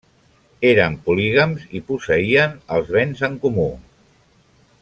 Eren polígams i posseïen els ben en comú.